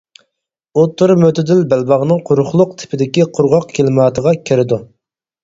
ئوتتۇرا مۆتىدىل بەلباغنىڭ قۇرۇقلۇق تىپىدىكى قۇرغاق كىلىماتىغا كىرىدۇ.